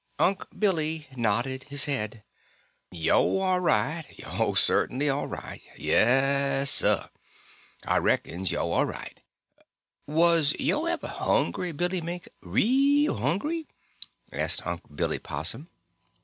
Unc' Billy nodded his head. "Yo' are right. Yo' cert'nly are right. Yes, Suh, Ah reckons yo' are right. Was yo' ever hungry, Billy Mink real hungry?" asked Unc' Billy Possum.